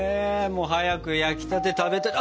もう早く焼きたて食べたい。